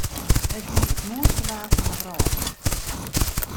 It wie it moaiste waar fan de wrâld.